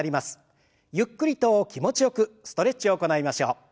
ゆっくりと気持ちよくストレッチを行いましょう。